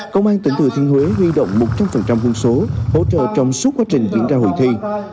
công an tỉnh thừa thiên huế huy động một trăm linh quân số hỗ trợ trong suốt quá trình diễn ra hội thi